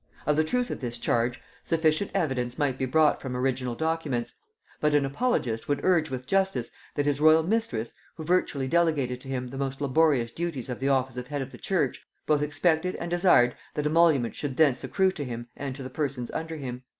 Of the truth of this charge, sufficient evidence might be brought from original documents; but an apologist would urge with justice that his royal mistress, who virtually delegated to him the most laborious duties of the office of head of the church, both expected and desired that emolument should thence accrue to him and to the persons under him.